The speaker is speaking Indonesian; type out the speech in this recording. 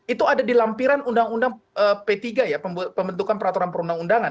itu ada di lampiran undang undang p tiga ya pembentukan peraturan perundang undangan